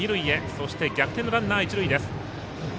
そして、逆転のランナー一塁です。